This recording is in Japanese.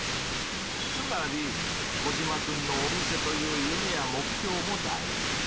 つまりコジマくんのお店という夢や目標も大事。